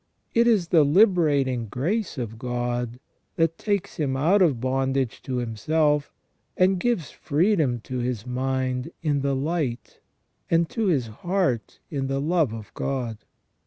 It is the liberating grace of God that takes him out of bondage to himself, and gives freedom to his mind in the light and to his heart in the love of God.